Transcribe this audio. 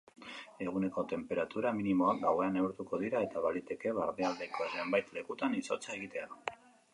Eguneko tenperatura minimoak gauean neurtuko dira eta baliteke barnealdeko zenbait lekutan izotza egitea.